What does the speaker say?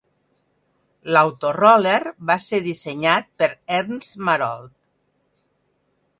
L'Autoroller va ser dissenyat per Ernst Marold.